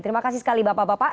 terima kasih sekali bapak bapak